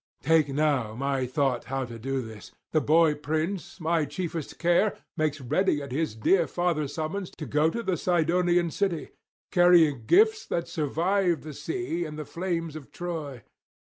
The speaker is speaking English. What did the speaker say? Take now my thought how to do this. The boy prince, my chiefest care, makes ready at his dear father's summons to go to the Sidonian city, carrying gifts that survive the sea and the flames of Troy.